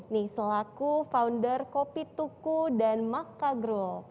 nih selaku founder kopi tuku dan makka group